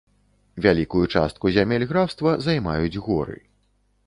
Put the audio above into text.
Вялікую частку зямель графства займаюць горы.